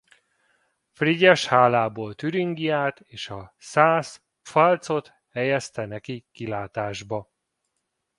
Frigyes hálából Türingiát és a szász Pfalzot helyezte neki kilátásba.